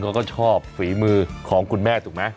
เขาก็ชอบฝีมือของคุณแม่ถูกไหม